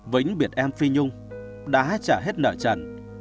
vĩnh biệt em phi nhung đã trả hết nợ trần